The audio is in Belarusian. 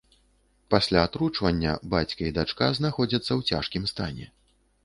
Пасля атручвання бацька і дачка знаходзяцца ў цяжкім стане.